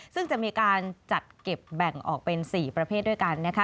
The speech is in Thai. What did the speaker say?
ซึ่งจะมีการจัดเก็บแบ่งออกเป็น๔ประเภทด้วยกันนะคะ